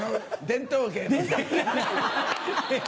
伝統芸。